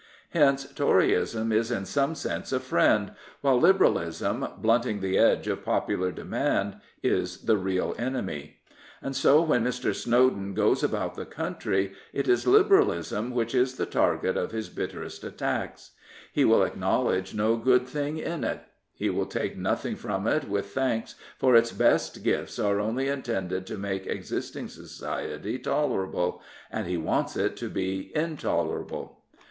Hence Toryism is in some sense a friend, while Liberalism, blunting the edge of popular demand, is the real enemy. And so when Mr. Snowden goes about the country, it is Liberalism which is the target of his bitterest attacks. He will acknowledge no good thing in it. He will take nothing from it with thanks, for its best gifts are only intended to make existing society tolerable, and he wants it to be intolerable.